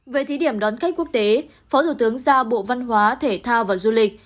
về thí điểm đón cách quốc tế phó thủ tướng ra bộ văn hóa thể thao và du lịch